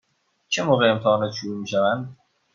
چه موقع امتحانات شروع می شوند؟